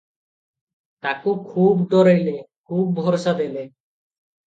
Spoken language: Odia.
ତାକୁ ଖୁବ୍ ଡରେଇଲେ, ଖୁବ୍ ଭରସା ଦେଲେ ।